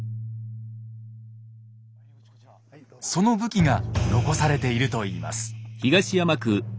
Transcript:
その武器が残されているといいます。